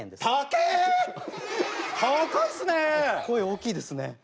声大きいですね。